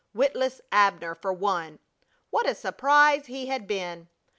Witless Abner for one! What a surprise he had been!